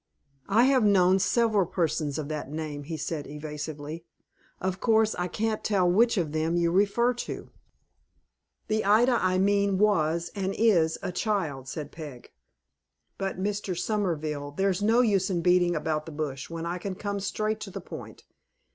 "I have known several persons of that name," he said, evasively. "Of course, I can't tell which of them you refer to." "The Ida I mean was and is a child," said Peg. "But, Mr. Somerville, there's no use in beating about the bush, when I can come straight to the point.